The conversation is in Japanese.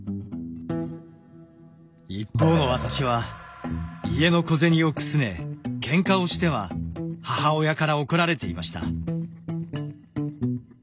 一方の私は家の小銭をくすねケンカをしては母親から怒られていました。